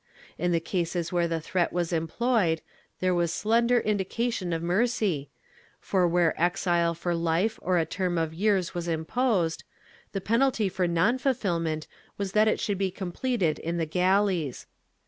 In the cases where the threat was employed, there was slender indication of mercy, for where exile for life or for a term of years was imposed, the penalty for non fulfilment was that it should be completed in the galleys.